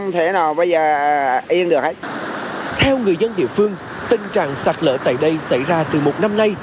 theo người dân địa phương tình trạng sạt lở tại đây xảy ra từ một năm nay